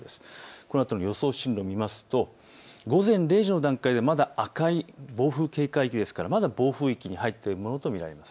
このあとの予想進路を見ますと午前０時の段階でまだ赤い暴風警戒域ですからまだ暴風域に入っているものと見られます。